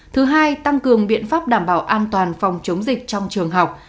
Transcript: thứ hai tăng cường biện pháp đảm bảo an toàn phòng chống dịch trong trường học